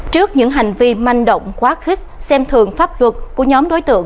trước những hành vi manh động quá khích xem thường pháp luật của nhóm đối tượng